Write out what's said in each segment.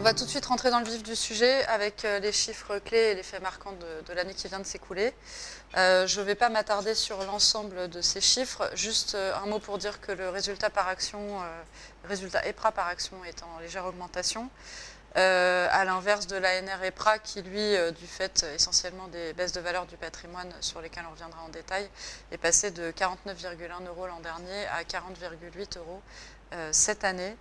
On va tout de suite rentrer dans le vif du sujet avec les chiffres clés et les faits marquants de l'année qui vient de s'écouler. Je ne vais pas m'attarder sur l'ensemble de ces chiffres. Juste un mot pour dire que le résultat par action, résultat EPRA par action, est en légère augmentation, à l'inverse de l'ANR EPRA, qui lui, du fait essentiellement des baisses de valeur du patrimoine sur lesquelles on reviendra en détail, est passé de 49,1 € l'an dernier à 40,8 €, cette année.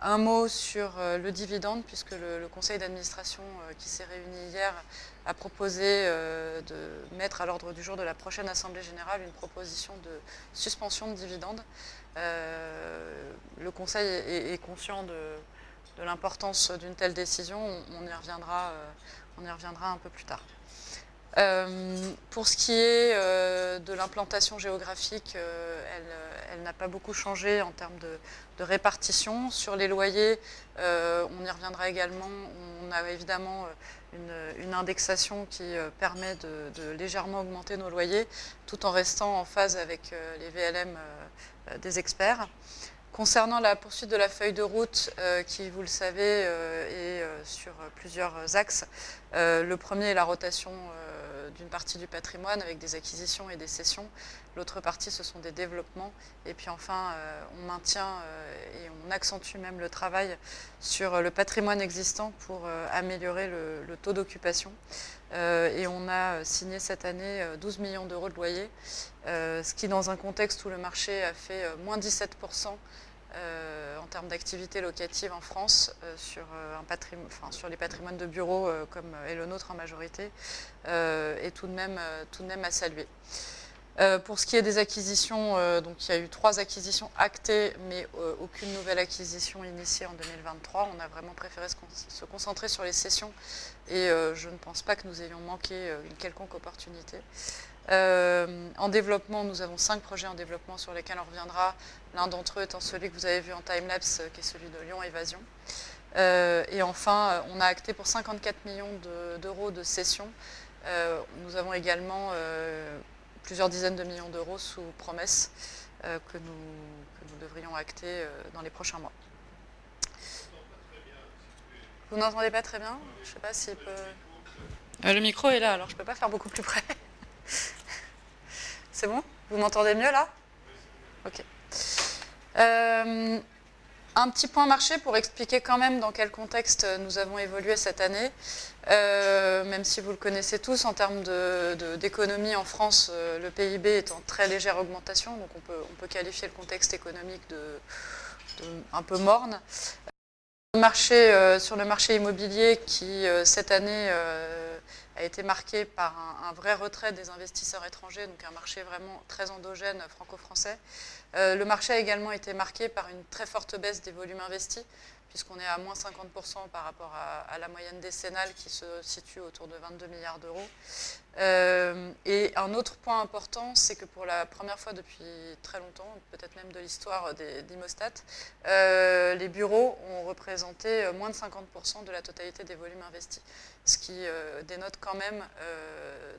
Un mot sur le dividende, puisque le conseil d'administration, qui s'est réuni hier, a proposé de mettre à l'ordre du jour de la prochaine assemblée générale une proposition de suspension de dividende. Le conseil est conscient de l'importance d'une telle décision. On y reviendra, on y reviendra un peu plus tard. Pour ce qui est de l'implantation géographique, elle n'a pas beaucoup changé en termes de répartition. Sur les loyers, on y reviendra également. On a évidemment une indexation qui permet de légèrement augmenter nos loyers tout en restant en phase avec les VLM des experts. Concernant la poursuite de la feuille de route, qui, vous le savez, est sur plusieurs axes, le premier est la rotation d'une partie du patrimoine, avec des acquisitions et des cessions. L'autre partie, ce sont des développements. Et puis enfin, on maintient, et on accentue même le travail sur le patrimoine existant pour améliorer le taux d'occupation. Et on a signé cette année douze millions d'euros de loyers, ce qui, dans un contexte où le marché a fait moins 17% en termes d'activité locative en France sur un patrimoine, sur les patrimoines de bureaux, comme est le nôtre en majorité, est tout de même à saluer. Pour ce qui est des acquisitions, il y a eu trois acquisitions actées, mais aucune nouvelle acquisition initiée en 2023. On a vraiment préféré se concentrer sur les cessions et je ne pense pas que nous ayons manqué une quelconque opportunité. En développement, nous avons cinq projets en développement sur lesquels on reviendra, l'un d'entre eux étant celui que vous avez vu en timelapse, qui est celui de Lyon Évasion. Et enfin, on a acté pour cinquante-quatre millions d'euros de cessions. Nous avons également plusieurs dizaines de millions d'euros sous promesse que nous devrions acter dans les prochains mois. Vous n'entendez pas très bien? Je ne sais pas s'il peut... Le micro est là, alors je ne peux pas faire beaucoup plus près. C'est bon? Vous m'entendez mieux là? Ok. Un petit point marché pour expliquer quand même dans quel contexte nous avons évolué cette année. Même si vous le connaissez tous, en termes d'économie en France, le PIB est en très légère augmentation, donc on peut qualifier le contexte économique d'un peu morne. Le marché sur le marché immobilier, qui cette année a été marqué par un vrai retrait des investisseurs étrangers, donc un marché vraiment très endogène franco-français. Le marché a également été marqué par une très forte baisse des volumes investis, puisqu'on est à moins 50% par rapport à la moyenne décennale, qui se situe autour de €22 milliards. Et un autre point important, c'est que pour la première fois depuis très longtemps, peut-être même de l'histoire d'Imostat, les bureaux ont représenté moins de 50% de la totalité des volumes investis. Ce qui dénote quand même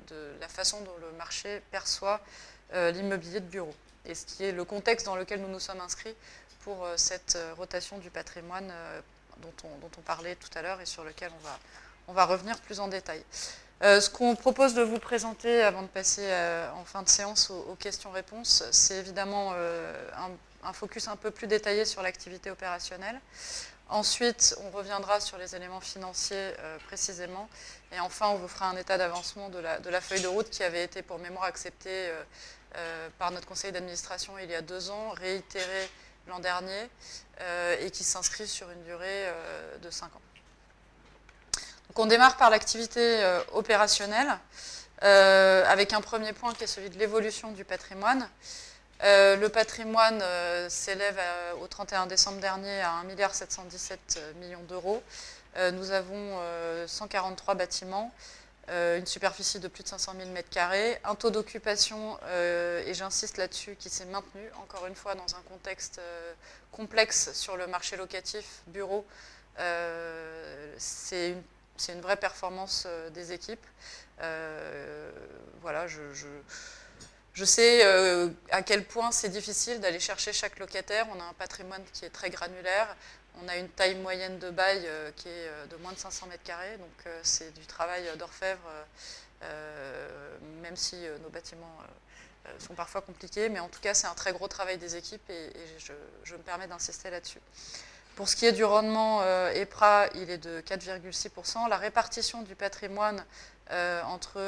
de la façon dont le marché perçoit l'immobilier de bureau. Et ce qui est le contexte dans lequel nous nous sommes inscrits pour cette rotation du patrimoine, dont on parlait tout à l'heure et sur lequel on va revenir plus en détail. Ce qu'on propose de vous présenter avant de passer en fin de séance aux questions-réponses, c'est évidemment un focus un peu plus détaillé sur l'activité opérationnelle. Ensuite, on reviendra sur les éléments financiers précisément. Et enfin, on vous fera un état d'avancement de la feuille de route qui avait été, pour mémoire, acceptée par notre conseil d'administration il y a deux ans, réitérée l'an dernier, et qui s'inscrit sur une durée de cinq ans. Donc, on démarre par l'activité opérationnelle avec un premier point qui est celui de l'évolution du patrimoine. Le patrimoine s'élève au trente-et-un décembre dernier à un milliard sept cent dix-sept millions d'euros. Nous avons cent quarante-trois bâtiments, une superficie de plus de cinq cent mille mètres carrés, un taux d'occupation, et j'insiste là-dessus, qui s'est maintenu, encore une fois, dans un contexte complexe sur le marché locatif bureau. C'est une vraie performance des équipes. Voilà, je sais à quel point c'est difficile d'aller chercher chaque locataire. On a un patrimoine qui est très granulaire. On a une taille moyenne de bail qui est de moins de cinq cent mètres carrés. Donc, c'est du travail d'orfèvre, même si nos bâtiments sont parfois compliqués. Mais en tout cas, c'est un très gros travail des équipes et je me permets d'insister là-dessus. Pour ce qui est du rendement EPRA, il est de 4,6%. La répartition du patrimoine entre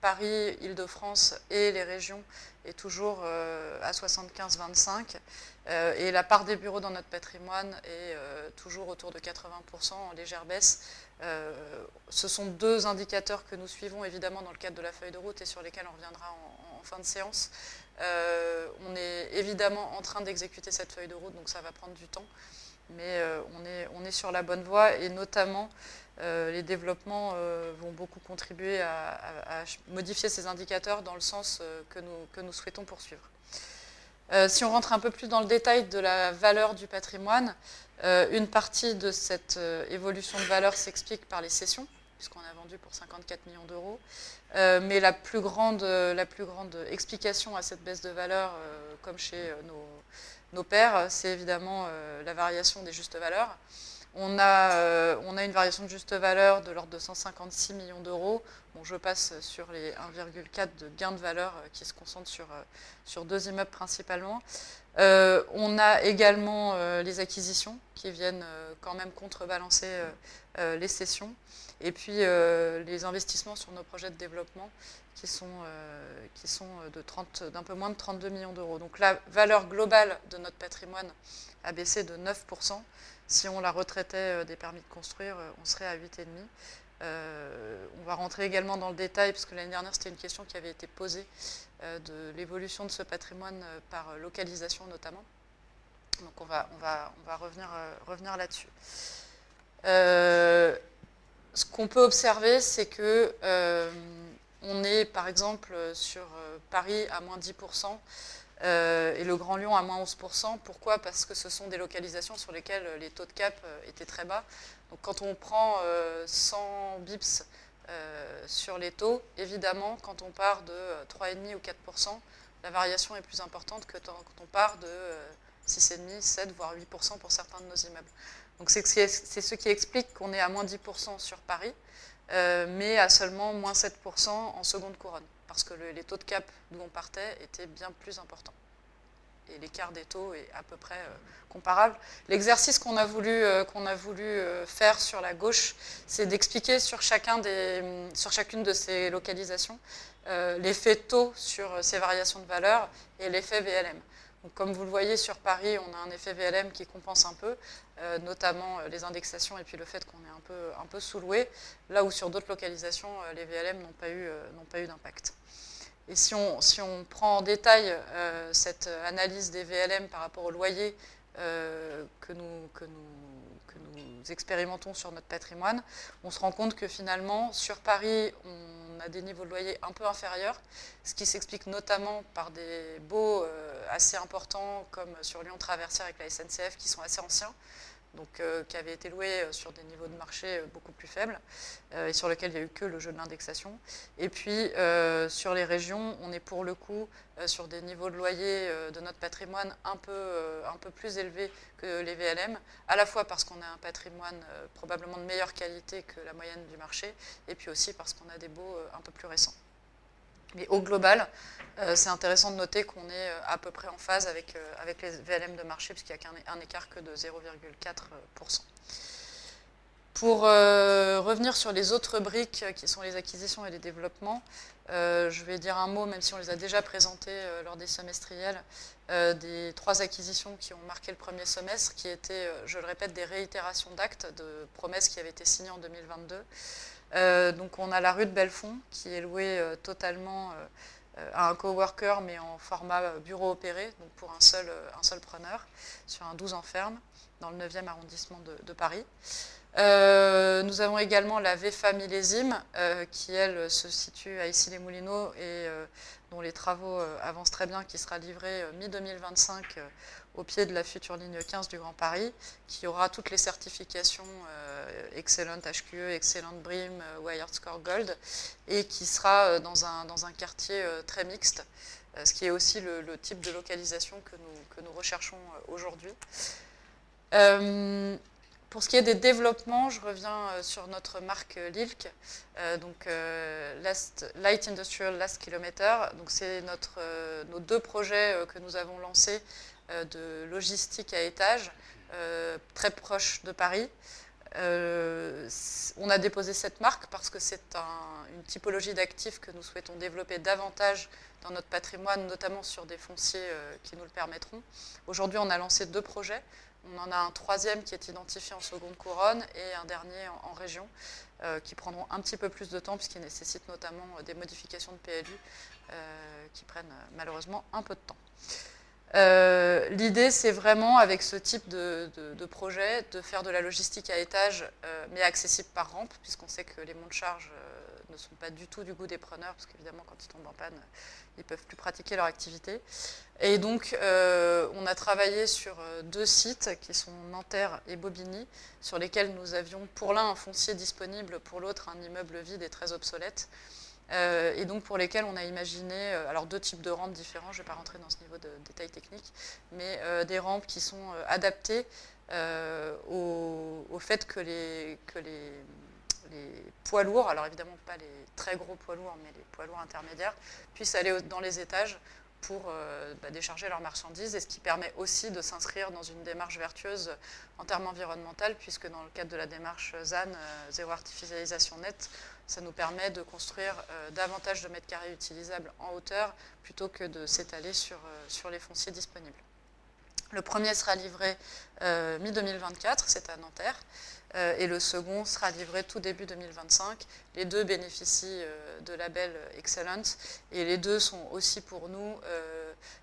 Paris, Île-de-France et les régions est toujours à 75%, 25%. Et la part des bureaux dans notre patrimoine est toujours autour de 80%, en légère baisse. Ce sont deux indicateurs que nous suivons évidemment dans le cadre de la feuille de route et sur lesquels on reviendra en fin de séance. On est évidemment en train d'exécuter cette feuille de route, donc ça va prendre du temps, mais on est sur la bonne voie et notamment, les développements vont beaucoup contribuer à modifier ces indicateurs dans le sens que nous souhaitons poursuivre. Si on rentre un peu plus dans le détail de la valeur du patrimoine, une partie de cette évolution de valeur s'explique par les cessions, puisqu'on a vendu pour 54 millions d'euros. Mais la plus grande explication à cette baisse de valeur, comme chez nos pairs, c'est évidemment la variation des justes valeurs. On a une variation de juste valeur de l'ordre de 156 millions d'euros. Bon, je passe sur les 1,4 de gains de valeur qui se concentrent sur deux immeubles principalement. On a également les acquisitions qui viennent quand même contrebalancer les cessions. Et puis les investissements sur nos projets de développement, qui sont d'un peu moins de 32 millions d'euros. Donc, la valeur globale de notre patrimoine a baissé de 9%. Si on la retraitait des permis de construire, on serait à 8,5%. On va rentrer également dans le détail, puisque l'année dernière, c'était une question qui avait été posée, de l'évolution de ce patrimoine par localisation, notamment. Donc, on va revenir là-dessus. Ce qu'on peut observer, c'est qu'on est, par exemple, sur Paris, à -10%, et le Grand Lyon à -11%. Pourquoi? Parce que ce sont des localisations sur lesquelles les taux de cap étaient très bas. Donc, quand on prend cent points de base sur les taux, évidemment, quand on part de 3,5% ou 4%, la variation est plus importante que quand on part de 6,5%, 7%, voire 8% pour certains de nos immeubles. Donc c'est ce qui explique qu'on est à -10% sur Paris, mais à seulement -7% en seconde couronne, parce que les taux de capitalisation d'où on partait étaient bien plus importants. Et l'écart des taux est à peu près comparable. L'exercice qu'on a voulu faire sur la gauche, c'est d'expliquer sur chacune de ces localisations l'effet taux sur ces variations de valeurs et l'effet VLM. Donc, comme vous le voyez, sur Paris, on a un effet VLM qui compense un peu, notamment les indexations et puis le fait qu'on est un peu sous-loué, là où sur d'autres localisations, les VLM n'ont pas eu d'impact. Et si on prend en détail cette analyse des VLM par rapport au loyer que nous expérimentons sur notre patrimoine, on se rend compte que finalement, sur Paris, on a des niveaux de loyer un peu inférieurs, ce qui s'explique notamment par des baux assez importants, comme sur Lyon Traversière avec la SNCF, qui sont assez anciens, donc qui avaient été loués sur des niveaux de marché beaucoup plus faibles, et sur lesquels il y a eu que le jeu de l'indexation. Et puis, sur les régions, on est pour le coup, sur des niveaux de loyer de notre patrimoine un peu plus élevés que les VLM, à la fois parce qu'on a un patrimoine probablement de meilleure qualité que la moyenne du marché et puis aussi parce qu'on a des baux un peu plus récents. Mais au global, c'est intéressant de noter qu'on est à peu près en phase avec les VLM de marché, puisqu'il n'y a qu'un écart que de 0,4%. Pour revenir sur les autres briques, qui sont les acquisitions et les développements, je vais dire un mot, même si on les a déjà présentés lors des semestriels, des trois acquisitions qui ont marqué le premier semestre, qui étaient, je le répète, des réitérations d'actes, de promesses qui avaient été signées en 2022. Donc, on a la rue de Belfond, qui est louée totalement à un coworker, mais en format bureau opéré, donc pour un seul preneur, sur un douze ans ferme, dans le neuvième arrondissement de Paris. Nous avons également la VEFA Millésime, qui, elle, se situe à Issy-les-Moulineaux et dont les travaux avancent très bien, qui sera livrée mi-2025, au pied de la future ligne quinze du Grand Paris, qui aura toutes les certifications Excellent HQE, Excellent BREEAM, Wired Score Gold et qui sera dans un quartier très mixte, ce qui est aussi le type de localisation que nous recherchons aujourd'hui. Pour ce qui est des développements, je reviens sur notre marque LILK, donc Last Light Industrial Last Kilometer. C'est nos deux projets que nous avons lancés, de logistique à étages, très proche de Paris. On a déposé cette marque parce que c'est une typologie d'actifs que nous souhaitons développer davantage dans notre patrimoine, notamment sur des fonciers qui nous le permettront. Aujourd'hui, on a lancé deux projets. On en a un troisième qui est identifié en seconde couronne et un dernier en région qui prendront un petit peu plus de temps, puisqu'ils nécessitent notamment des modifications de PLU qui prennent malheureusement un peu de temps. L'idée, c'est vraiment, avec ce type de projet, de faire de la logistique à étages mais accessible par rampe, puisqu'on sait que les monte-charges ne sont pas du tout du goût des preneurs, parce qu'évidemment, quand ils tombent en panne, ils ne peuvent plus pratiquer leur activité. Et donc, on a travaillé sur deux sites qui sont Nanterre et Bobigny, sur lesquels nous avions pour l'un un foncier disponible, pour l'autre, un immeuble vide et très obsolète, et donc pour lesquels on a imaginé alors deux types de rampes différents. Je ne vais pas rentrer dans ce niveau de détail technique, mais des rampes qui sont adaptées au fait que les poids lourds, alors évidemment, pas les très gros poids lourds, mais les poids lourds intermédiaires, puissent aller dans les étages pour décharger leurs marchandises. Ce qui permet aussi de s'inscrire dans une démarche vertueuse en termes environnemental, puisque dans le cadre de la démarche ZAN, zéro artificialisation nette, ça nous permet de construire davantage de mètres carrés utilisables en hauteur plutôt que de s'étaler sur les fonciers disponibles. Le premier sera livré mi-2024, c'est à Nanterre, et le second sera livré tout début 2025. Les deux bénéficient de label Excellent et les deux sont aussi, pour nous,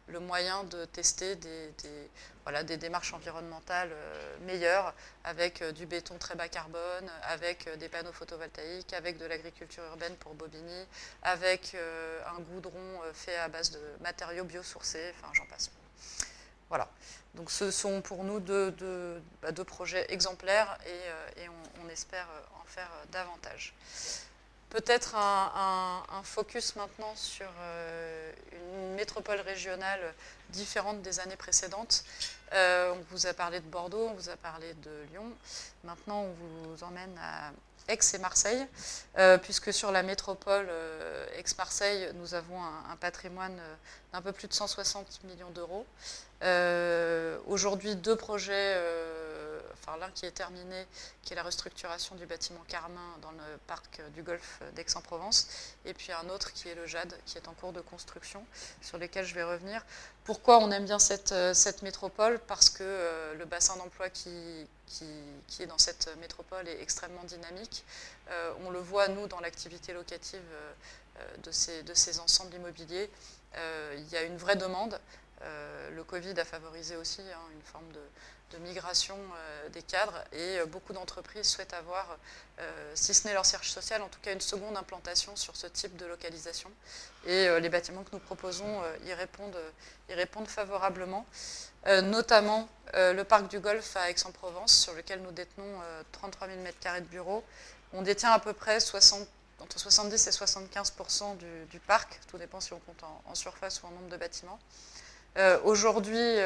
le moyen de tester des démarches environnementales meilleures, avec du béton très bas carbone, avec des panneaux photovoltaïques, avec de l'agriculture urbaine pour Bobigny, avec un goudron fait à base de matériaux biosourcés, enfin, j'en passe. Voilà, donc ce sont pour nous deux projets exemplaires et on espère en faire davantage. Peut-être un focus maintenant sur une métropole régionale différente des années précédentes. On vous a parlé de Bordeaux, on vous a parlé de Lyon. Maintenant, on vous emmène à Aix et Marseille, puisque sur la métropole Aix-Marseille, nous avons un patrimoine d'un peu plus de cent soixante millions d'euros. Aujourd'hui, deux projets. L'un qui est terminé, qui est la restructuration du bâtiment Carmin dans le parc du Golfe d'Aix-en-Provence, et puis un autre qui est le Jade, qui est en cours de construction, sur lesquels je vais revenir. Pourquoi on aime bien cette métropole? Parce que le bassin d'emploi qui est dans cette métropole est extrêmement dynamique. On le voit, nous, dans l'activité locative de ces ensembles immobiliers. Il y a une vraie demande. Le COVID a favorisé aussi une forme de migration des cadres et beaucoup d'entreprises souhaitent avoir, si ce n'est leur siège social, en tout cas une seconde implantation sur ce type de localisation. Les bâtiments que nous proposons y répondent favorablement, notamment le parc du Golfe à Aix-en-Provence, sur lequel nous détenons 33 000 mètres carrés de bureaux. On détient à peu près entre 70% et 75% du parc. Tout dépend si on compte en surface ou en nombre de bâtiments. Aujourd'hui,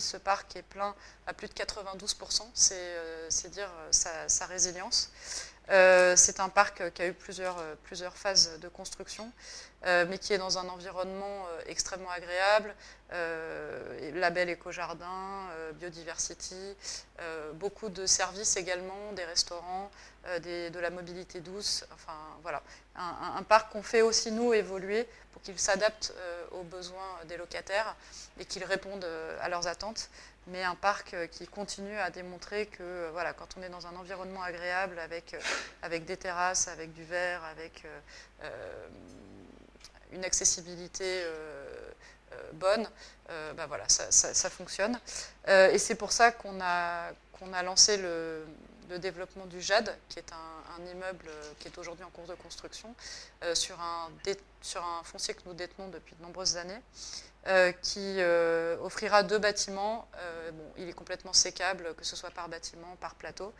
ce parc est plein à plus de 92%. C'est dire sa résilience. C'est un parc qui a eu plusieurs phases de construction, mais qui est dans un environnement extrêmement agréable. Label Éco Jardin, Biodiversity. Beaucoup de services également, des restaurants, de la mobilité douce. Enfin, voilà, un parc qu'on fait aussi, nous, évoluer pour qu'il s'adapte aux besoins des locataires et qu'il réponde à leurs attentes. Mais un parc qui continue à démontrer que, voilà, quand on est dans un environnement agréable, avec des terrasses, avec du verre, avec une accessibilité bonne, ben voilà, ça fonctionne. Et c'est pour ça qu'on a lancé le développement du Jade, qui est un immeuble qui est aujourd'hui en cours de construction sur un foncier que nous détenons depuis de nombreuses années, qui offrira deux bâtiments. Bon, il est complètement sécable, que ce soit par bâtiment ou par plateau.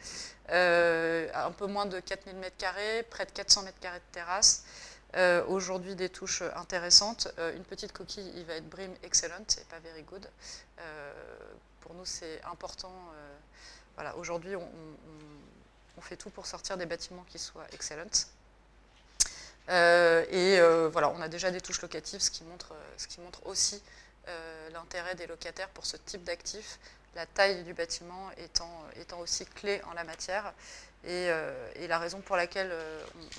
Un peu moins de 4 000 mètres carrés, près de 400 mètres carrés de terrasse. Aujourd'hui, des touches intéressantes. Une petite coquille, il va être BREEAM Excellent et pas Very Good. Pour nous, c'est important. Voilà, aujourd'hui, on fait tout pour sortir des bâtiments qui soient Excellent. Et voilà, on a déjà des touches locatives, ce qui montre aussi l'intérêt des locataires pour ce type d'actif, la taille du bâtiment étant aussi clé en la matière. Et la raison pour laquelle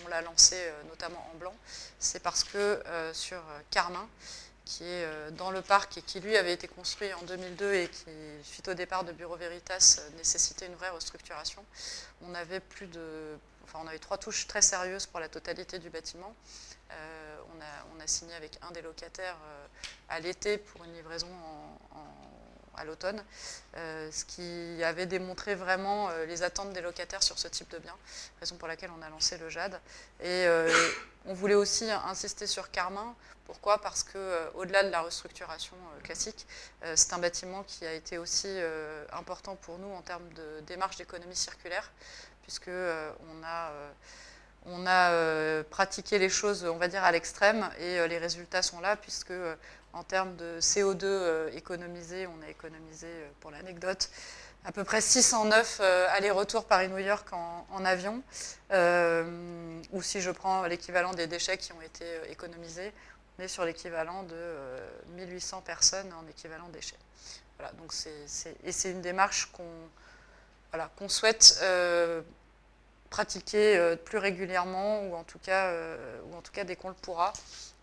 on l'a lancé, notamment en blanc, c'est parce que sur Carmin, qui est dans le parc et qui, lui, avait été construit en 2002 et qui, suite au départ de Bureau Veritas, nécessitait une vraie restructuration, on avait plus de... enfin, on avait trois touches très sérieuses pour la totalité du bâtiment. On a signé avec un des locataires à l'été pour une livraison à l'automne, ce qui avait démontré vraiment les attentes des locataires sur ce type de biens. Raison pour laquelle on a lancé le Jade. Et on voulait aussi insister sur Carmin. Pourquoi? Parce qu'au-delà de la restructuration classique, c'est un bâtiment qui a été aussi important pour nous en termes de démarche d'économie circulaire, puisque nous avons pratiqué les choses, on va dire, à l'extrême. Les résultats sont là, puisque en termes de CO₂ économisé, nous avons économisé, pour l'anecdote, à peu près six cent neuf allers-retours Paris-New York en avion. Ou si je prends l'équivalent des déchets qui ont été économisés, nous sommes sur l'équivalent de mille huit cent personnes en équivalent déchets. Voilà, donc c'est une démarche que nous souhaitons pratiquer plus régulièrement ou en tout cas dès que nous le pourrons. En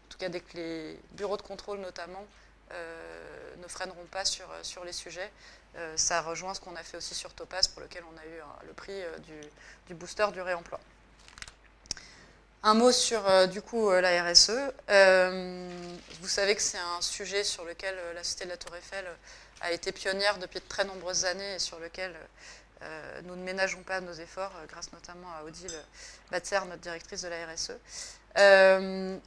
tout cas, dès que les bureaux de contrôle, notamment, ne freineront pas sur les sujets. Ça rejoint ce qu'on a fait aussi sur Topaz, pour lequel on a eu le prix du booster du réemploi. Un mot sur du coup, la RSE. Vous savez que c'est un sujet sur lequel la Société de la Tour Eiffel a été pionnière depuis de très nombreuses années et sur lequel nous ne ménageons pas nos efforts, grâce notamment à Odile Batter, notre Directrice de la RSE.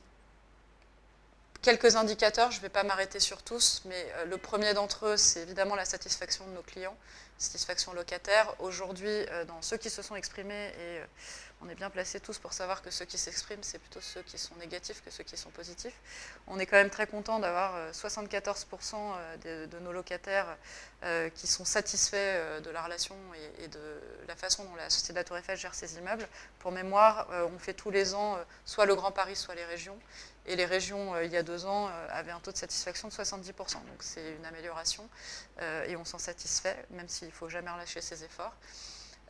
Quelques indicateurs, je ne vais pas m'arrêter sur tous, mais le premier d'entre eux, c'est évidemment la satisfaction de nos clients. Satisfaction locataire. Aujourd'hui, dans ceux qui se sont exprimés, et on est bien placé tous pour savoir que ceux qui s'expriment, c'est plutôt ceux qui sont négatifs que ceux qui sont positifs. On est quand même très content d'avoir 74% de nos locataires qui sont satisfaits de la relation et de la façon dont la Société de la Tour Eiffel gère ses immeubles. Pour mémoire, on fait tous les ans soit le Grand Paris, soit les régions. Les régions, il y a deux ans, avaient un taux de satisfaction de 70%. C'est une amélioration et on s'en satisfait, même s'il ne faut jamais relâcher ses efforts.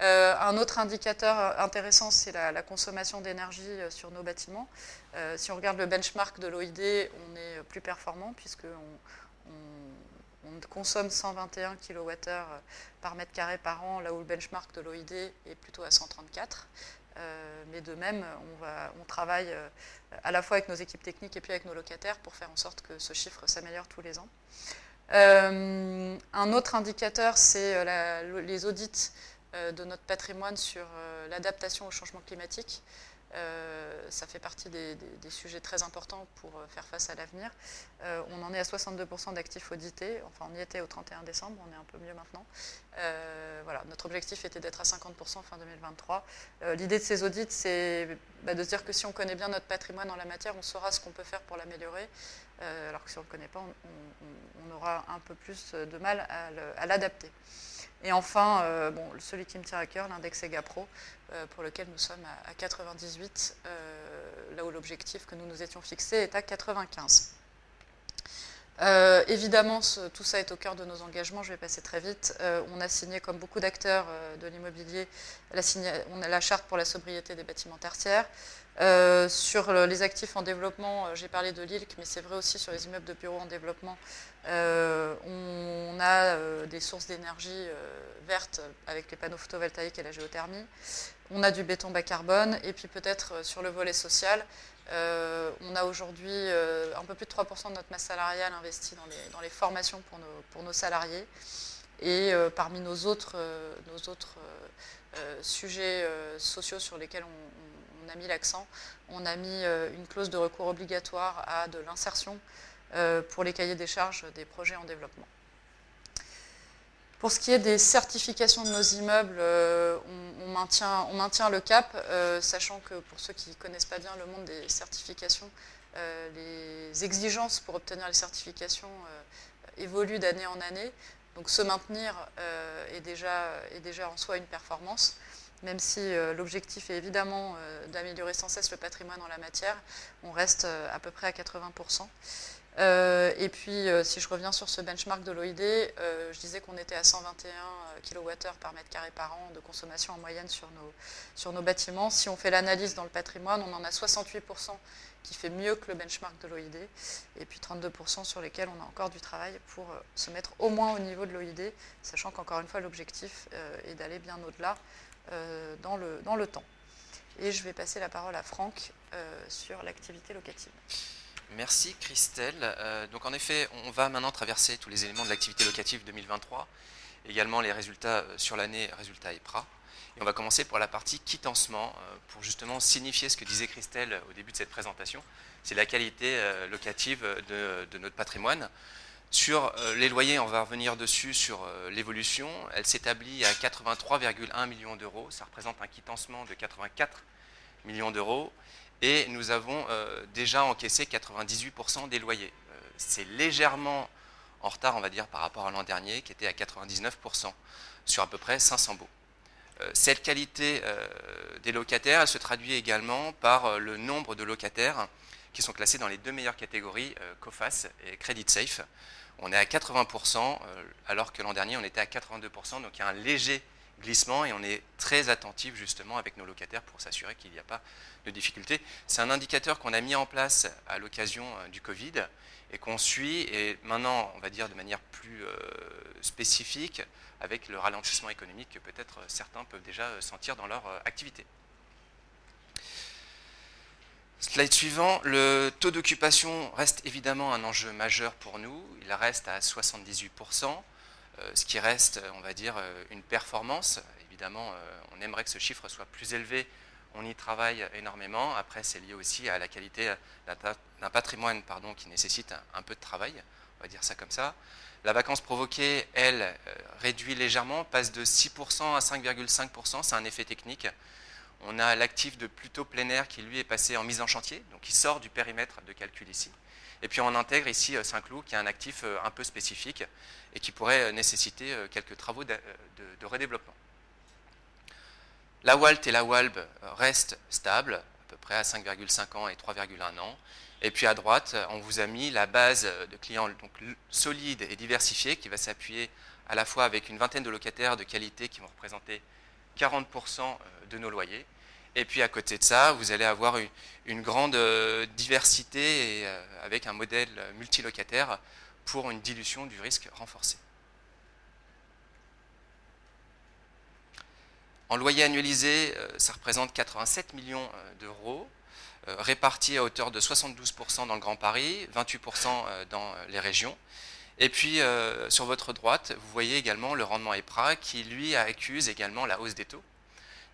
Un autre indicateur intéressant, c'est la consommation d'énergie sur nos bâtiments. Si on regarde le benchmark de l'OID, on est plus performant puisqu'on consomme 121 kilowattheures par mètre carré par an, là où le benchmark de l'OID est plutôt à 134. Mais de même, on va, on travaille à la fois avec nos équipes techniques et puis avec nos locataires pour faire en sorte que ce chiffre s'améliore tous les ans. Un autre indicateur, c'est les audits de notre patrimoine sur l'adaptation au changement climatique. Ça fait partie des sujets très importants pour faire face à l'avenir. On en est à 62% d'actifs audités. Enfin, on y était au 31 décembre, on est un peu mieux maintenant. Voilà, notre objectif était d'être à 50% fin 2023. L'idée de ces audits, c'est, ben, de se dire que si on connaît bien notre patrimoine en la matière, on saura ce qu'on peut faire pour l'améliorer. Alors que si on ne le connaît pas, on aura un peu plus de mal à l'adapter. Et enfin, bon, celui qui me tient à cœur, l'index SEGAPro, pour lequel nous sommes à 98%, là où l'objectif que nous nous étions fixés est à 95%. Évidemment, ce, tout ça est au cœur de nos engagements. Je vais passer très vite. On a signé, comme beaucoup d'acteurs de l'immobilier, on a la charte pour la sobriété des bâtiments tertiaires. Sur les actifs en développement, j'ai parlé de l'ILK, mais c'est vrai aussi sur les immeubles de bureaux en développement, on a des sources d'énergie verte avec les panneaux photovoltaïques et la géothermie. On a du béton bas carbone. Et puis, peut-être, sur le volet social, on a aujourd'hui un peu plus de 3% de notre masse salariale investie dans les formations pour nos salariés. Et parmi nos autres sujets sociaux sur lesquels on a mis l'accent, on a mis une clause de recours obligatoire à de l'insertion pour les cahiers des charges des projets en développement. Pour ce qui est des certifications de nos immeubles, on maintient le cap, sachant que pour ceux qui ne connaissent pas bien le monde des certifications, les exigences pour obtenir les certifications évoluent d'année en année. Donc, se maintenir est déjà en soi une performance, même si l'objectif est évidemment d'améliorer sans cesse le patrimoine en la matière. On reste à peu près à 80%. Et puis, si je reviens sur ce benchmark de l'OID, je disais qu'on était à 121 kilowatts heure par mètre carré par an de consommation en moyenne sur nos bâtiments. Si on fait l'analyse dans le patrimoine, on en a 68% qui fait mieux que le benchmark de l'OID et puis 32% sur lesquels on a encore du travail pour se mettre au moins au niveau de l'OID, sachant qu'encore une fois, l'objectif est d'aller bien au-delà dans le temps. Je vais passer la parole à Franck sur l'activité locative. Merci Christelle. Donc, en effet, on va maintenant traverser tous les éléments de l'activité locative 2023, également les résultats sur l'année, résultats EPRA. On va commencer pour la partie quittancement, pour justement signifier ce que disait Christelle au début de cette présentation. C'est la qualité locative de notre patrimoine. Sur les loyers, on va revenir dessus, sur l'évolution. Elle s'établit à €83,1 millions. Ça représente un quittancement de €84 millions et nous avons déjà encaissé 98% des loyers. C'est légèrement en retard par rapport à l'an dernier, qui était à 99%, sur à peu près 500 baux. Cette qualité des locataires, elle se traduit également par le nombre de locataires qui sont classés dans les deux meilleures catégories, Coface et Credit Safe. On est à 80%, alors que l'an dernier, on était à 82%. Donc, il y a un léger glissement et on est très attentif, justement, avec nos locataires, pour s'assurer qu'il n'y a pas de difficultés. C'est un indicateur qu'on a mis en place à l'occasion du Covid et qu'on suit. Et maintenant, on va dire de manière plus spécifique, avec le ralentissement économique que peut-être certains peuvent déjà sentir dans leur activité. Slide suivant. Le taux d'occupation reste évidemment un enjeu majeur pour nous. Il reste à 78%, ce qui reste, on va dire, une performance. Évidemment, on aimerait que ce chiffre soit plus élevé. On y travaille énormément. Après, c'est lié aussi à la qualité d'un patrimoine qui nécessite un peu de travail. On va dire ça comme ça. La vacance provoquée, elle, réduit légèrement, passe de 6% à 5,5%. C'est un effet technique. On a l'actif de Pluto Plein Air qui, lui, est passé en mise en chantier, donc il sort du périmètre de calcul ici. Et puis, on intègre ici Saint-Cloud, qui est un actif un peu spécifique et qui pourrait nécessiter quelques travaux de redéveloppement. La Walt et la Walb restent stables, à peu près à 5,5 ans et 3,1 ans. Et puis, à droite, on vous a mis la base de clients solides et diversifiés, qui va s'appuyer à la fois avec une vingtaine de locataires de qualité qui vont représenter 40% de nos loyers. Et puis, à côté de ça, vous allez avoir une grande diversité avec un modèle multilocataire pour une dilution du risque renforcée. En loyer annualisé, ça représente 87 millions d'euros, répartis à hauteur de 72% dans le Grand Paris, 28% dans les régions. Et puis sur votre droite, vous voyez également le rendement EPRA, qui accuse également la hausse des taux.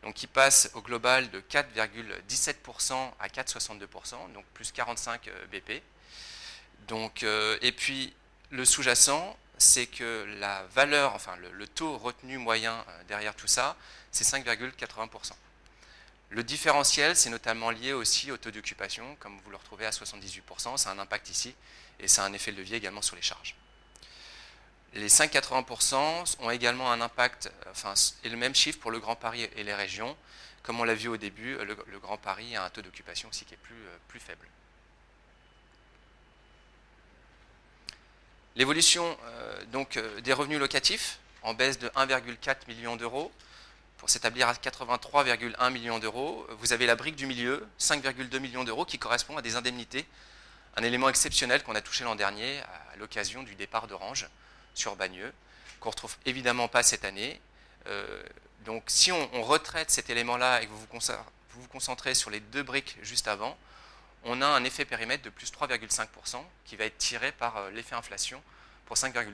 Donc, il passe au global de 4,17% à 4,62%, donc plus 45 bp. Le sous-jacent, c'est que la valeur, enfin, le taux retenu moyen derrière tout ça, c'est 5,80%. Le différentiel, c'est notamment lié aussi au taux d'occupation, comme vous le retrouvez à 78%. Ça a un impact ici et ça a un effet de levier également sur les charges. Les 5,80% ont également un impact, enfin, c'est le même chiffre pour le Grand Paris et les régions. Comme on l'a vu au début, le Grand Paris a un taux d'occupation aussi qui est plus faible. L'évolution donc des revenus locatifs en baisse de 1,4 million d'euros pour s'établir à 83,1 millions d'euros. Vous avez la brique du milieu, 5,2 millions d'euros, qui correspond à des indemnités, un élément exceptionnel qu'on a touché l'an dernier à l'occasion du départ d'Orange sur Bagneux, qu'on ne retrouve évidemment pas cette année. Donc, si on retraite cet élément-là et que vous vous concentrez sur les deux briques juste avant, on a un effet périmètre de plus 3,5%, qui va être tiré par l'effet inflation pour 5,2%.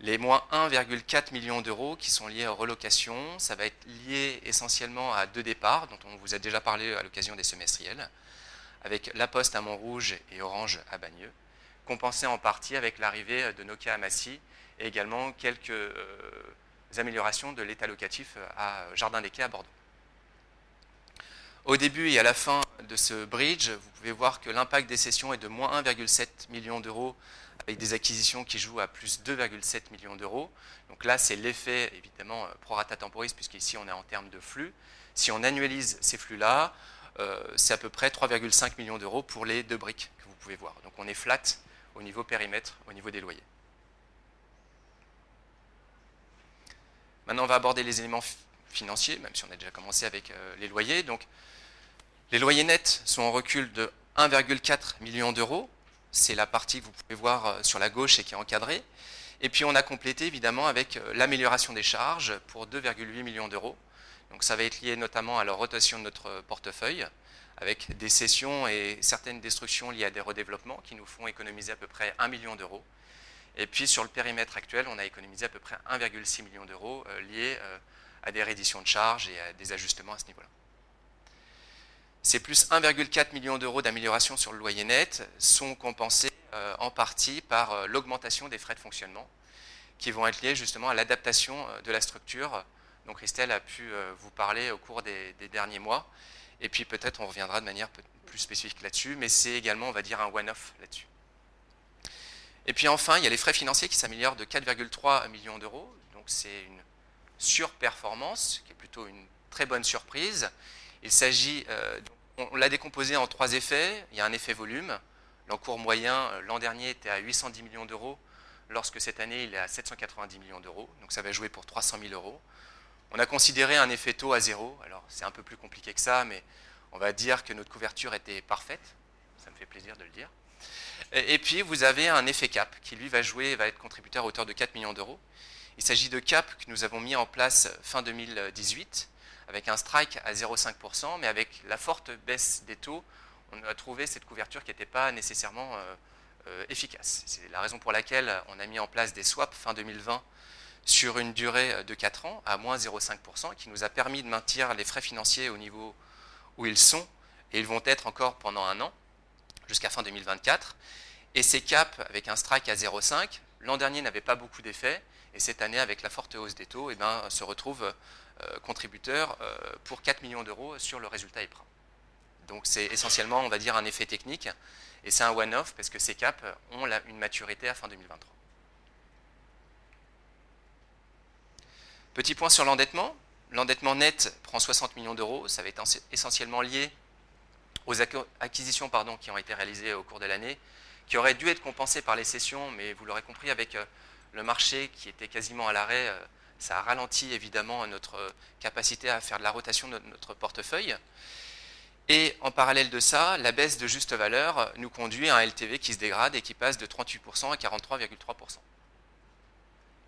Les moins 1,4 millions d'euros qui sont liés aux relocations, ça va être lié essentiellement à deux départs, dont on vous a déjà parlé à l'occasion des semestriels, avec La Poste à Montrouge et Orange à Bagneux, compensés en partie avec l'arrivée de Nokia à Massy et également quelques améliorations de l'état locatif à Jardin des Clés à Bordeaux. Au début et à la fin de ce bridge, vous pouvez voir que l'impact des cessions est de moins 1,7 million d'euros, avec des acquisitions qui jouent à plus 2,7 millions d'euros. Donc là, c'est l'effet évidemment pro rata temporis, puisqu'ici, on est en termes de flux. Si on annualise ces flux-là, c'est à peu près 3,5 millions d'euros pour les deux briques que vous pouvez voir. Donc, on est flat au niveau périmètre, au niveau des loyers. Maintenant, on va aborder les éléments financiers, même si on a déjà commencé avec les loyers. Donc les loyers nets sont en recul de 1,4 million d'euros. C'est la partie que vous pouvez voir sur la gauche et qui est encadrée. Et puis, on a complété évidemment avec l'amélioration des charges pour 2,8 millions d'euros. Donc, ça va être lié notamment à la rotation de notre portefeuille, avec des cessions et certaines destructions liées à des redéveloppements qui nous font économiser à peu près 1 million d'euros. Et puis, sur le périmètre actuel, on a économisé à peu près 1,6 million d'euros liés à des rééditions de charges et à des ajustements à ce niveau-là. Ces plus un virgule quatre million d'euros d'amélioration sur le loyer net sont compensés en partie par l'augmentation des frais de fonctionnement, qui vont être liés justement à l'adaptation de la structure. Donc, Christelle a pu vous parler au cours des derniers mois. Et puis peut-être, on reviendra de manière plus spécifique là-dessus, mais c'est également, on va dire, un one-off là-dessus. Et puis enfin, il y a les frais financiers qui s'améliorent de quatre virgule trois millions d'euros. Donc c'est une surperformance qui est plutôt une très bonne surprise. Il s'agit, on l'a décomposé en trois effets. Il y a un effet volume. L'encours moyen, l'an dernier, était à huit cent dix millions d'euros, lorsque cette année, il est à sept cent quatre-vingt-dix millions d'euros. Donc ça va jouer pour trois cent mille euros. On a considéré un effet taux à zéro. Alors, c'est un peu plus compliqué que ça, mais on va dire que notre couverture était parfaite. Ça me fait plaisir de le dire. Et puis, vous avez un effet cap qui, lui, va jouer, va être contributeur à hauteur de 4 millions d'euros. Il s'agit de caps que nous avons mis en place fin 2018, avec un strike à 0,5%, mais avec la forte baisse des taux, on a trouvé cette couverture qui n'était pas nécessairement efficace. C'est la raison pour laquelle on a mis en place des swaps fin 2020, sur une durée de quatre ans, à moins 0,5%, qui nous a permis de maintenir les frais financiers au niveau où ils sont et ils vont être encore pendant un an, jusqu'à fin 2024. Et ces caps, avec un strike à 0,5, l'an dernier n'avaient pas beaucoup d'effet et cette année, avec la forte hausse des taux, se retrouvent contributeurs pour 4 millions d'euros sur le résultat EPRA. Donc c'est essentiellement un effet technique et c'est un one-off parce que ces caps ont une maturité à fin 2023. Petit point sur l'endettement. L'endettement net prend 60 millions d'euros. Ça va être essentiellement lié aux acquisitions qui ont été réalisées au cours de l'année, qui auraient dû être compensées par les cessions, mais vous l'aurez compris, avec le marché qui était quasiment à l'arrêt, ça a ralenti évidemment notre capacité à faire de la rotation de notre portefeuille. Et en parallèle de ça, la baisse de juste valeur nous conduit à un LTV qui se dégrade et qui passe de 38% à 43,3%.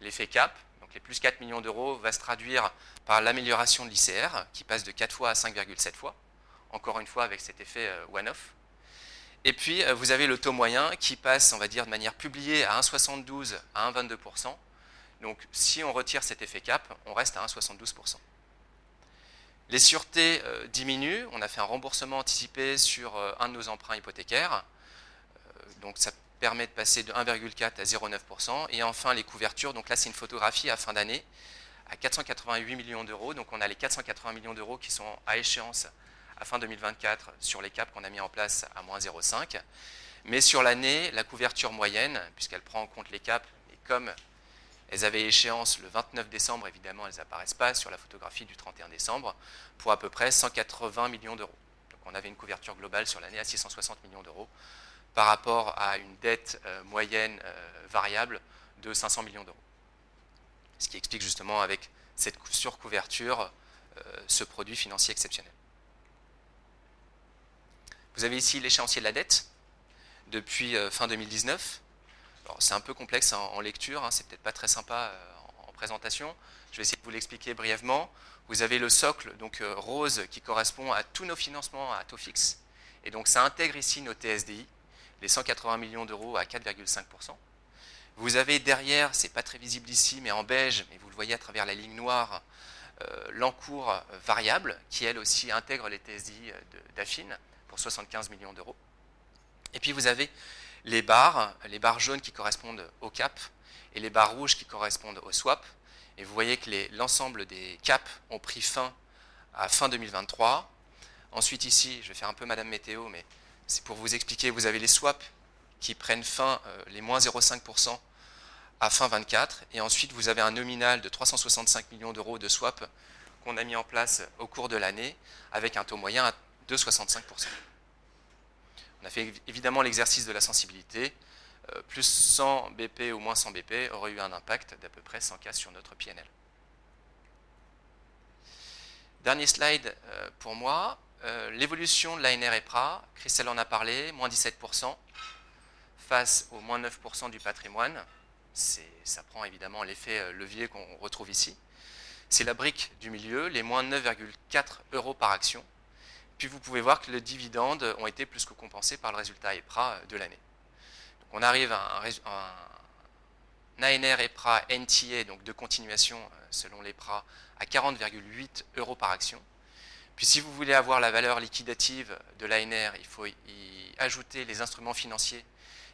L'effet cap, donc les plus €4 millions, va se traduire par l'amélioration de l'ICR, qui passe de 4 fois à 5,7 fois. Encore une fois, avec cet effet one-off. Et puis, vous avez le taux moyen qui passe, on va dire, de manière publiée, à 1,72% à 1,22%. Donc, si on retire cet effet cap, on reste à 1,72%. Les sûretés diminuent. On a fait un remboursement anticipé sur un de nos emprunts hypothécaires. Donc, ça permet de passer de 1,4% à 0,9%. Et enfin, les couvertures. Donc là, c'est une photographie à fin d'année, à 488 millions d'euros. Donc, on a les 480 millions d'euros qui sont à échéance à fin 2024 sur les caps qu'on a mis en place à moins 0,5%. Mais sur l'année, la couverture moyenne, puisqu'elle prend en compte les caps, et comme elles avaient échéance le 29 décembre, évidemment, elles n'apparaissent pas sur la photographie du 31 décembre, pour à peu près 180 millions d'euros. Donc, on avait une couverture globale sur l'année à 660 millions d'euros, par rapport à une dette moyenne variable de 500 millions d'euros. Ce qui explique justement, avec cette surcouverture, ce produit financier exceptionnel. Vous avez ici l'échéancier de la dette depuis fin 2019. C'est un peu complexe en lecture, ce n'est peut-être pas très sympa en présentation. Je vais essayer de vous l'expliquer brièvement. Vous avez le socle, donc rose, qui correspond à tous nos financements à taux fixe. Et donc ça intègre ici nos TSDI, les 180 millions d'euros à 4,5%. Vous avez derrière, ce n'est pas très visible ici, mais en beige, mais vous le voyez à travers la ligne noire, l'encours variable, qui, elle aussi, intègre les TSDI d'Affin pour 75 millions d'euros. Et puis, vous avez les barres, les barres jaunes qui correspondent aux caps et les barres rouges qui correspondent aux swaps. Et vous voyez que l'ensemble des caps ont pris fin à fin 2023. Ensuite, ici, je vais faire un peu madame Météo, mais c'est pour vous expliquer, vous avez les swaps qui prennent fin, les moins 0,5% à fin 2024. Et ensuite, vous avez un nominal de 365 millions d'euros de swap qu'on a mis en place au cours de l'année avec un taux moyen de 65%. On a fait évidemment l'exercice de la sensibilité. Plus 100 BP ou moins 100 BP aurait eu un impact d'à peu près 100 K sur notre PNL. Dernier slide pour moi, l'évolution de l'ANR EPRA. Christelle en a parlé, moins 17% face aux moins 9% du patrimoine. Ça prend évidemment l'effet levier qu'on retrouve ici. C'est la brique du milieu, les moins 9,4 euros par action. Puis, vous pouvez voir que les dividendes ont été plus que compensés par le résultat EPRA de l'année. On arrive à un l'ANR EPRA NTA, donc de continuation selon l'EPRA, à 40,8 euros par action. Puis, si vous voulez avoir la valeur liquidative de l'ANR, il faut y ajouter les instruments financiers,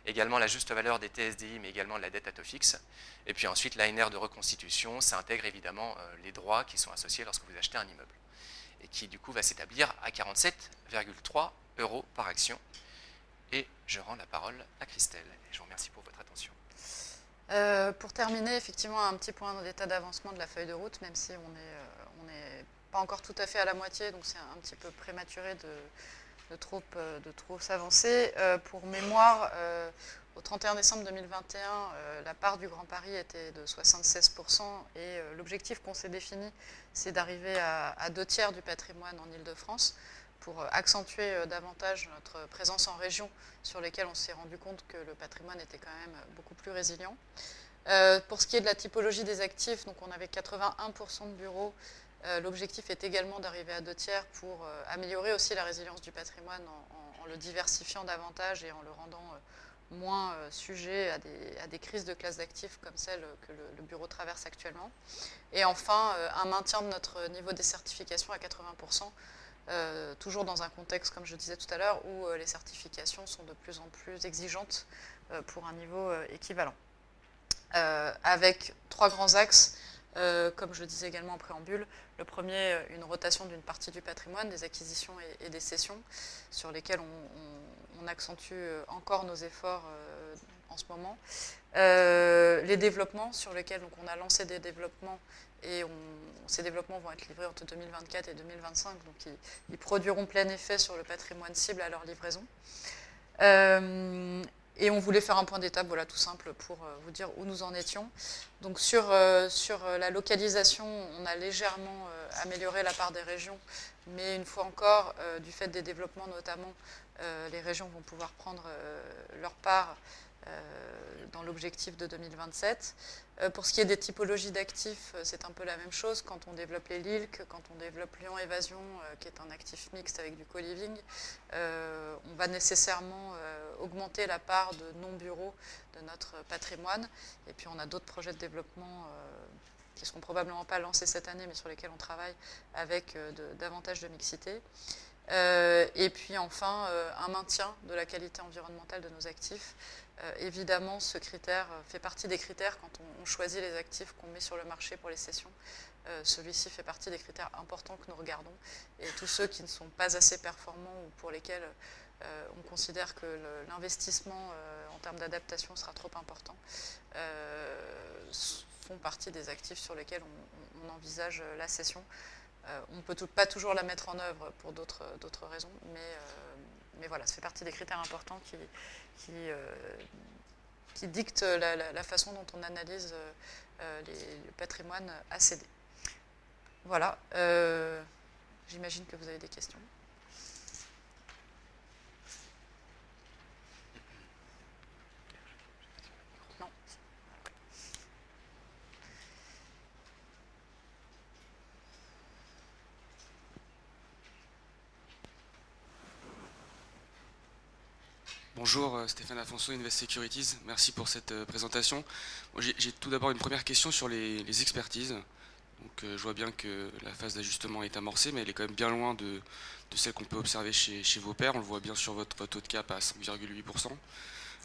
également la juste valeur des TSDI, mais également de la dette à taux fixe. Et puis ensuite, l'ANR de reconstitution, ça intègre évidemment les droits qui sont associés lorsque vous achetez un immeuble et qui, du coup, va s'établir à €47,3 par action. Et je rends la parole à Christelle. Je vous remercie pour votre attention. Pour terminer, effectivement, un petit point dans l'état d'avancement de la feuille de route, même si on n'est pas encore tout à fait à la moitié, donc c'est un petit peu prématuré de trop s'avancer. Pour mémoire, au 31 décembre 2021, la part du Grand Paris était de 76% et l'objectif qu'on s'est défini, c'est d'arriver à deux tiers du patrimoine en Île-de-France pour accentuer davantage notre présence en région, sur lesquelles on s'est rendu compte que le patrimoine était quand même beaucoup plus résilient. Pour ce qui est de la typologie des actifs, donc, on avait 81% de bureaux. L'objectif est également d'arriver à deux tiers pour améliorer aussi la résilience du patrimoine en le diversifiant davantage et en le rendant moins sujet à des crises de classe d'actifs comme celle que le bureau traverse actuellement. Et enfin, un maintien de notre niveau des certifications à 80%, toujours dans un contexte, comme je disais tout à l'heure, où les certifications sont de plus en plus exigeantes pour un niveau équivalent. Avec trois grands axes, comme je le disais également en préambule, le premier, une rotation d'une partie du patrimoine, des acquisitions et des cessions sur lesquelles on accentue encore nos efforts en ce moment. Les développements sur lesquels on a lancé des développements et ces développements vont être livrés entre 2024 et 2025. Donc, ils produiront plein effet sur le patrimoine cible à leur livraison. Et on voulait faire un point d'étape, voilà, tout simple, pour vous dire où nous en étions. Donc, sur la localisation, on a légèrement amélioré la part des régions, mais une fois encore, du fait des développements, notamment, les régions vont pouvoir prendre leur part dans l'objectif de 2027. Pour ce qui est des typologies d'actifs, c'est un peu la même chose. Quand on développe les Lil, quand on développe Lyon Évasion, qui est un actif mixte avec du co-living, on va nécessairement augmenter la part de non bureaux de notre patrimoine. Et puis, on a d'autres projets de développement qui ne seront probablement pas lancés cette année, mais sur lesquels on travaille avec davantage de mixité. Et puis enfin, un maintien de la qualité environnementale de nos actifs. Évidemment, ce critère fait partie des critères quand on choisit les actifs qu'on met sur le marché pour les cessions. Celui-ci fait partie des critères importants que nous regardons. Et tous ceux qui ne sont pas assez performants ou pour lesquels on considère que l'investissement, en termes d'adaptation, sera trop important, font partie des actifs sur lesquels on envisage la cession. On ne peut pas toujours la mettre en œuvre pour d'autres raisons, mais voilà, ça fait partie des critères importants qui dictent la façon dont on analyse le patrimoine à céder. Voilà, j'imagine que vous avez des questions? Non. Bonjour, Stéphane Alfonso, Invest Securities. Merci pour cette présentation. J'ai tout d'abord une première question sur les expertises. Donc, je vois bien que la phase d'ajustement est amorcée, mais elle est quand même bien loin de celle qu'on peut observer chez vos pairs. On le voit bien sur votre taux de cap à 5,8%,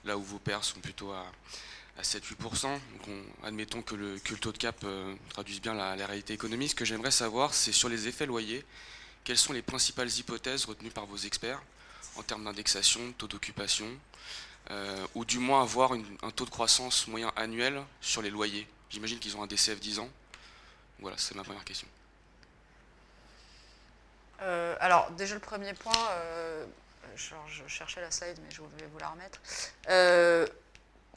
là où vos pairs sont plutôt à 7%, 8%. Donc, admettons que le taux de cap traduise bien la réalité économique. Ce que j'aimerais savoir, c'est sur les effets loyers, quelles sont les principales hypothèses retenues par vos experts en termes d'indexation, taux d'occupation, ou du moins avoir un taux de croissance moyen annuel sur les loyers? J'imagine qu'ils ont un DCF dix ans. Voilà, c'est ma première question. Alors, déjà, le premier point, je cherchais la slide, mais je vais vous la remettre.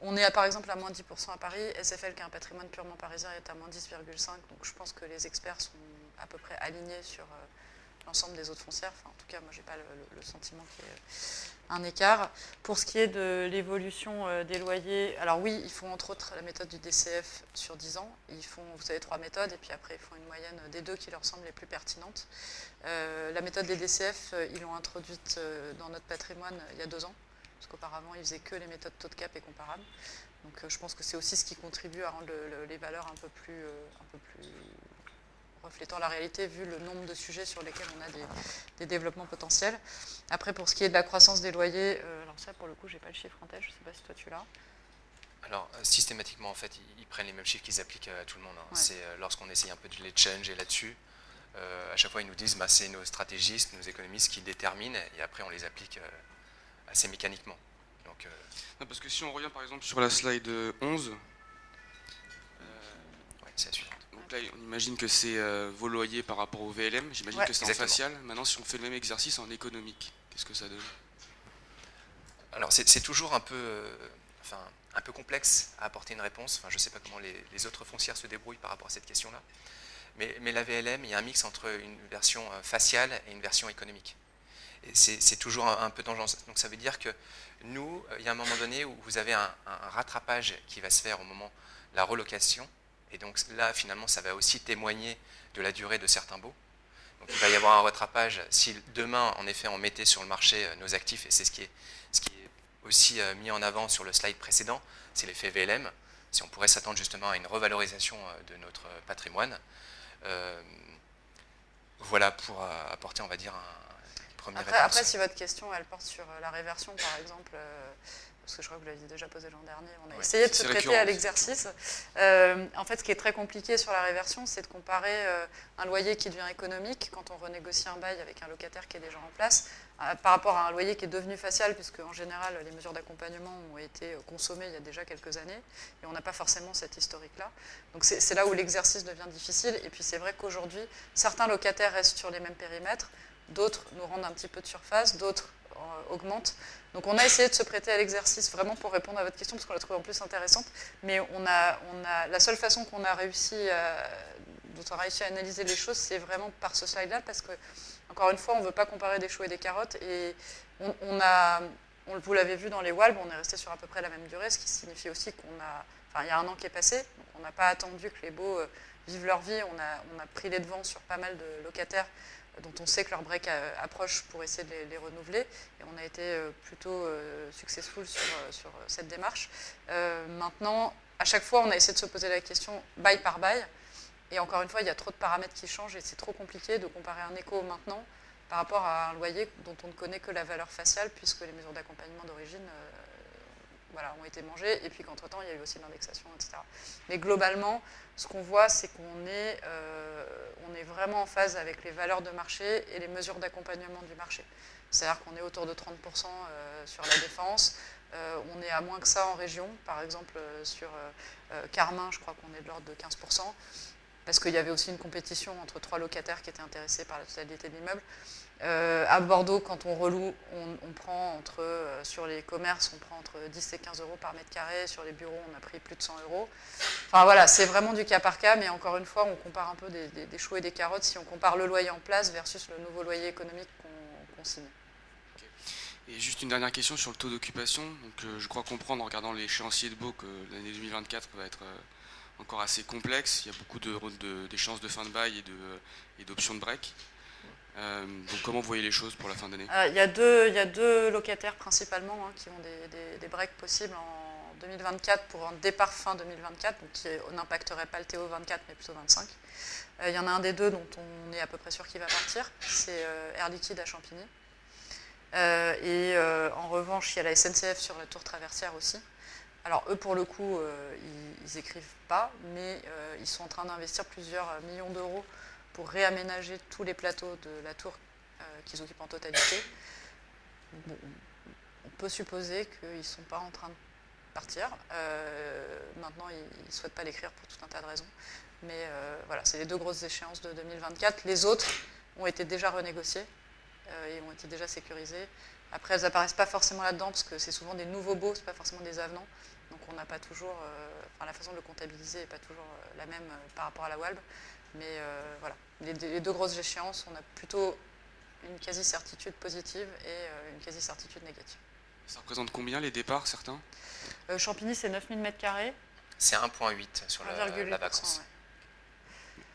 On est par exemple à -10% à Paris. SFL, qui a un patrimoine purement parisien, est à -10,5%. Donc, je pense que les experts sont à peu près alignés sur l'ensemble des autres foncières. En tout cas, moi, je n'ai pas le sentiment qu'il y ait un écart. Pour ce qui est de l'évolution des loyers, alors oui, ils font entre autres la méthode du DCF sur dix ans. Ils font, vous savez, trois méthodes et puis après, ils font une moyenne des deux qui leur semblent les plus pertinentes. La méthode des DCF, ils l'ont introduite dans notre patrimoine il y a deux ans, parce qu'auparavant, ils ne faisaient que les méthodes taux de cap et comparable. Donc, je pense que c'est aussi ce qui contribue à rendre les valeurs un peu plus reflétant la réalité, vu le nombre de sujets sur lesquels on a des développements potentiels. Après, pour ce qui est de la croissance des loyers, alors ça, pour le coup, je n'ai pas le chiffre en tête. Je ne sais pas si toi, tu l'as. Alors, systématiquement, en fait, ils prennent les mêmes chiffres qu'ils appliquent à tout le monde. C'est lorsqu'on essaie un peu de les challenger là-dessus, à chaque fois, ils nous disent: « C'est nos stratégistes, nos économistes qui déterminent. » Et après, on les applique assez mécaniquement. Non, parce que si on revient, par exemple, sur la slide onze. Ouais, c'est la suite. Donc là, on imagine que c'est vos loyers par rapport au VLM. J'imagine que c'est en facial. Maintenant, si on fait le même exercice en économique, qu'est-ce que ça donne? Alors, c'est toujours un peu, enfin, un peu complexe d'apporter une réponse. Je ne sais pas comment les autres foncières se débrouillent par rapport à cette question-là, mais la VLM, il y a un mix entre une version faciale et une version économique. C'est toujours un peu tangent. Donc, ça veut dire que nous, il y a un moment donné où vous avez un rattrapage qui va se faire au moment de la relocation. Et donc là, finalement, ça va aussi témoigner de la durée de certains baux. Donc il va y avoir un rattrapage si demain, en effet, on mettait sur le marché nos actifs et c'est ce qui est, ce qui est aussi mis en avant sur le slide précédent, c'est l'effet VLM. Si on pourrait s'attendre justement à une revalorisation de notre patrimoine. Voilà pour apporter, on va dire, un premier... Après, si votre question elle porte sur la réversion, par exemple, parce que je crois que vous l'aviez déjà posée l'an dernier. On a essayé de se prêter à l'exercice. En fait, ce qui est très compliqué sur la réversion, c'est de comparer un loyer qui devient économique quand on renégocie un bail avec un locataire qui est déjà en place, par rapport à un loyer qui est devenu facial, puisque en général, les mesures d'accompagnement ont été consommées il y a déjà quelques années et on n'a pas forcément cet historique-là. Donc c'est là où l'exercice devient difficile. Et puis, c'est vrai qu'aujourd'hui, certains locataires restent sur les mêmes périmètres, d'autres nous rendent un petit peu de surface, d'autres augmentent. Donc, on a essayé de se prêter à l'exercice, vraiment pour répondre à votre question, parce qu'on l'a trouvée en plus intéressante. Mais on a, on a, la seule façon qu'on a réussi à, dont on a réussi à analyser les choses, c'est vraiment par ce slide-là, parce qu'encore une fois, on ne veut pas comparer des choux et des carottes. Et on a, vous l'avez vu dans les walves, on est resté sur à peu près la même durée, ce qui signifie aussi qu'on a, enfin, il y a un an qui est passé. On n'a pas attendu que les baux vivent leur vie. On a pris les devants sur pas mal de locataires dont on sait que leur break approche pour essayer de les renouveler. Et on a été plutôt successful sur cette démarche. Maintenant, à chaque fois, on a essayé de se poser la question bail par bail. Et encore une fois, il y a trop de paramètres qui changent et c'est trop compliqué de comparer un éco maintenant par rapport à un loyer dont on ne connaît que la valeur faciale, puisque les mesures d'accompagnement d'origine ont été mangées. Et puis qu'entre temps, il y a eu aussi l'indexation, etc. Mais globalement, ce qu'on voit, c'est qu'on est vraiment en phase avec les valeurs de marché et les mesures d'accompagnement du marché. C'est-à-dire qu'on est autour de 30% sur la défense. On est à moins que ça en région. Par exemple, sur Carmin, je crois qu'on est de l'ordre de 15%, parce qu'il y avait aussi une compétition entre trois locataires qui étaient intéressés par la totalité de l'immeuble. À Bordeaux, quand on reloue, on prend entre, sur les commerces, on prend entre 10 € et 15 € par mètre carré. Sur les bureaux, on a pris plus de 100 €. Enfin, voilà, c'est vraiment du cas par cas, mais encore une fois, on compare un peu des choux et des carottes si on compare le loyer en place versus le nouveau loyer économique qu'on signe. Et juste une dernière question sur le taux d'occupation. Donc, je crois comprendre, en regardant l'échéancier de baux, que l'année 2024 va être encore assez complexe. Il y a beaucoup d'échéances de fin de bail et d'options de break. Comment vous voyez les choses pour la fin d'année? Il y a deux locataires, principalement, qui ont des breaks possibles en 2024, pour un départ fin 2024, donc qui n'impacterait pas le T.O. 2024, mais plutôt 2025. Il y en a un des deux dont on est à peu près sûr qu'il va partir, c'est Air Liquide à Champigny. Et en revanche, il y a la SNCF sur la tour Traversière aussi. Alors eux, pour le coup, ils n'écrivent pas, mais ils sont en train d'investir plusieurs millions d'euros pour réaménager tous les plateaux de la tour qu'ils occupent en totalité. On peut supposer qu'ils ne sont pas en train de partir. Maintenant, ils ne souhaitent pas l'écrire pour tout un tas de raisons. Mais voilà, c'est les deux grosses échéances de 2024. Les autres ont été déjà renégociées et ont été déjà sécurisées. Après, elles n'apparaissent pas forcément là-dedans, parce que c'est souvent des nouveaux baux, ce n'est pas forcément des avenants. Donc, on n'a pas toujours... la façon de le comptabiliser n'est pas toujours la même par rapport à la valve. Mais voilà, les deux grosses échéances, on a plutôt une quasi-certitude positive et une quasi-certitude négative. Ça représente combien, les départs, certains? Champigny, c'est neuf mille mètres carrés. C'est un point huit sur la vacance.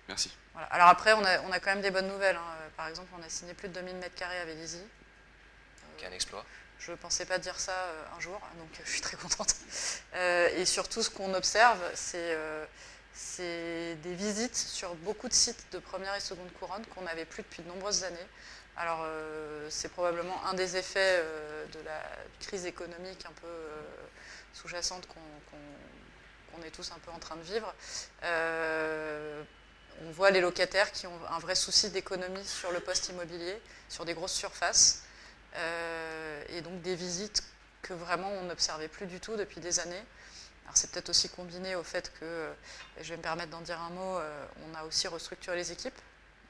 Merci. Alors après, on a quand même des bonnes nouvelles. Par exemple, on a signé plus de 2 000 mètres carrés à Vélizy. Qui est un exploit. Je pensais pas dire ça un jour, donc je suis très contente. Et surtout, ce qu'on observe, c'est des visites sur beaucoup de sites de première et seconde couronne qu'on n'avait plus depuis de nombreuses années. Alors, c'est probablement un des effets de la crise économique un peu sous-jacente qu'on est tous un peu en train de vivre. On voit les locataires qui ont un vrai souci d'économie sur le poste immobilier, sur des grosses surfaces, et donc des visites que vraiment, on n'observait plus du tout depuis des années. C'est peut-être aussi combiné au fait que, je vais me permettre d'en dire un mot, on a aussi restructuré les équipes.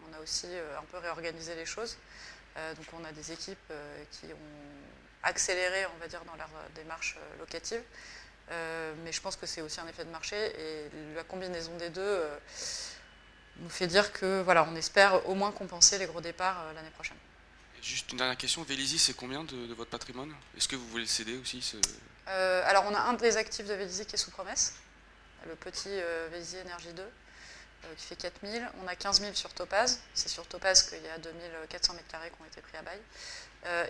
On a aussi un peu réorganisé les choses. Donc, on a des équipes qui ont accéléré, on va dire, dans leur démarche locative, mais je pense que c'est aussi un effet de marché et la combinaison des deux nous fait dire que voilà, on espère au moins compenser les gros départs l'année prochaine. Juste une dernière question: Vélizy, c'est combien de votre patrimoine? Est-ce que vous voulez le céder aussi ce- Alors, on a un des actifs de Vélizy qui est sous promesse, le petit Vélizy Énergie 2, qui fait 4 000. On a 15 000 sur Topaz. C'est sur Topaz qu'il y a 2 400 mètres carrés qui ont été pris à bail.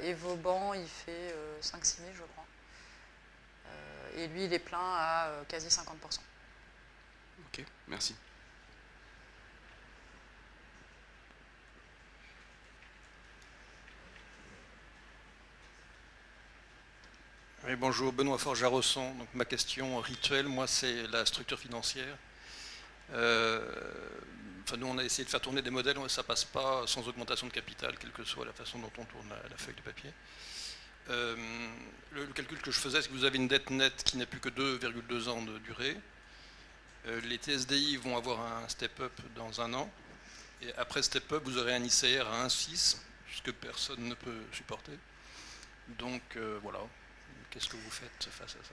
Et Vauban, il fait 5, 6 000, je crois. Et lui, il est plein à quasi 50%. Ok, merci. Bonjour, Benoît Forgeat, Resson. Donc ma question rituelle, moi, c'est la structure financière. Nous, on a essayé de faire tourner des modèles, mais ça passe pas sans augmentation de capital, quelle que soit la façon dont on tourne la feuille de papier. Le calcul que je faisais, c'est que vous avez une dette nette qui n'est plus que deux virgule deux ans de durée. Les TSDI vont avoir un step up dans un an et après step up, vous aurez un ICR à un six, que personne ne peut supporter. Donc voilà, qu'est-ce que vous faites face à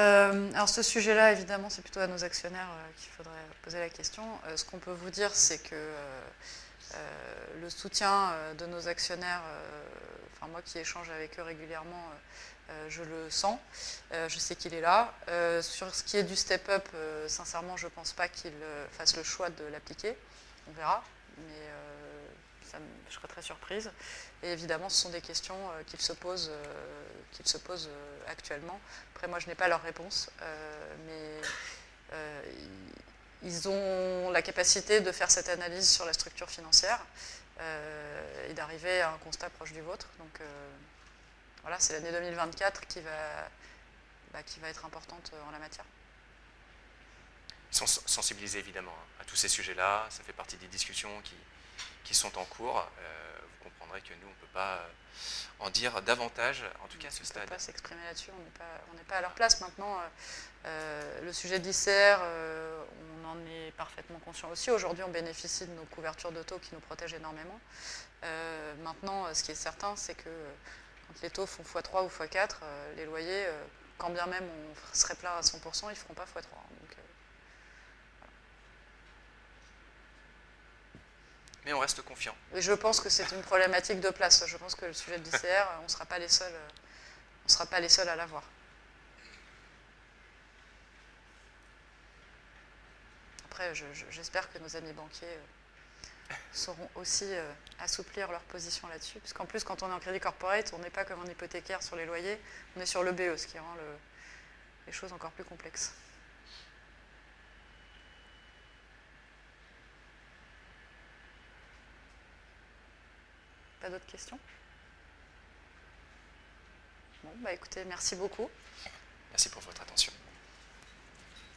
ça? Alors, ce sujet-là, évidemment, c'est plutôt à nos actionnaires qu'il faudrait poser la question. Ce qu'on peut vous dire, c'est que le soutien de nos actionnaires, enfin, moi qui échange avec eux régulièrement, je le sens. Je sais qu'il est là. Sur ce qui est du step up, sincèrement, je pense pas qu'il fasse le choix de l'appliquer. On verra, mais je serais très surprise. Et évidemment, ce sont des questions qu'ils se posent, qu'ils se posent actuellement. Après, moi, je n'ai pas leur réponse, mais ils ont la capacité de faire cette analyse sur la structure financière et d'arriver à un constat proche du vôtre. Donc voilà, c'est l'année 2024 qui va être importante en la matière. Sensibilisés, évidemment, à tous ces sujets-là. Ça fait partie des discussions qui sont en cours. Vous comprendrez que nous, on ne peut pas en dire davantage. En tout cas, à ce stade. On ne peut pas s'exprimer là-dessus. On n'est pas à leur place. Maintenant, le sujet d'ICR, on en est parfaitement conscient aussi. Aujourd'hui, on bénéficie de nos couvertures de taux qui nous protègent énormément. Maintenant, ce qui est certain, c'est que quand les taux font fois trois ou fois quatre, les loyers, quand bien même on serait plein à 100%, ils ne feront pas fois trois. Mais on reste confiant. Je pense que c'est une problématique de place. Je pense que le sujet d'ICR, on ne sera pas les seuls, on ne sera pas les seuls à l'avoir. Après, j'espère que nos amis banquiers sauront aussi assouplir leur position là-dessus, parce qu'en plus, quand on est en crédit corporate, on n'est pas comme un hypothécaire sur les loyers, on est sur l'EBE, ce qui rend les choses encore plus complexes. Pas d'autres questions? Bon, écoutez, merci beaucoup. Merci pour votre attention.